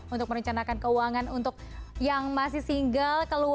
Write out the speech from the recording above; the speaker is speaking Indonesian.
untuk merencanakan keuangan untuk yang masih single